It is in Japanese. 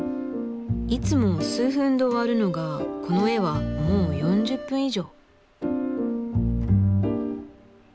いつも数分で終わるのがこの絵はもう４０分以上。